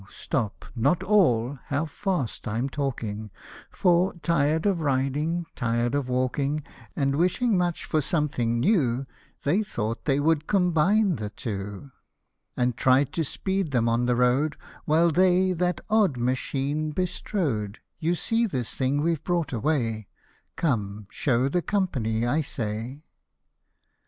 stop, not all, how fast I'm talking ; For, tired of riding, tired of walking, And wishing much for something new, They thought they would combine the two, 115 And tried to speed them on the road, While they that odd machine bestrode ; You see this thing we've brought away ; Come ! show the company, I say.